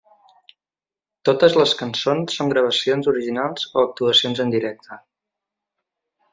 Totes les cançons són gravacions originals o actuacions en directe.